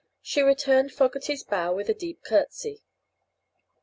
She returned Fogerty's bow with a deep curtsy.